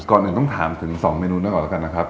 ก่อนหนึ่งต้องถามถึง๒เมนูนั้นก่อนแล้วกันนะครับ